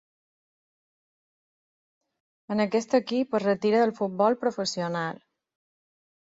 En aquest equip es retira del futbol professional.